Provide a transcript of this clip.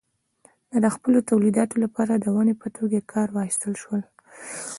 دا د خپلو تولیداتو لپاره د ونې په توګه کار واخیستل شول.